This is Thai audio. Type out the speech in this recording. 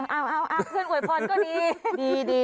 เอาฉันอวยพรก็ดี